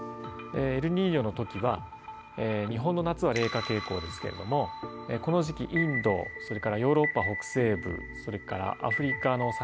エルニーニョの時は日本の夏は冷夏傾向ですけれどもこの時期インドそれからヨーロッパ北西部それからアフリカのサヘル地域